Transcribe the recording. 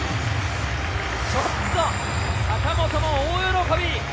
ちょっと坂本も大喜び。